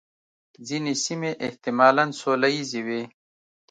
ځینې سیمې احتمالاً سوله ییزې وې.